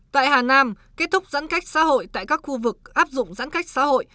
tại hà nam kết thúc giãn cách xã hội tại các khu vực áp dụng giãn cách xã hội